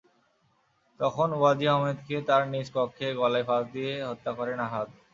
তখন ওয়াজি আহমেদকে তাঁর নিজ কক্ষে গলায় ফাঁস দিয়ে হত্যা করেন আহাদ।